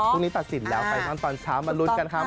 พรุ่งนี้ตัดสินแล้วไฟนอนตอนเช้ามาลุ้นกันครับ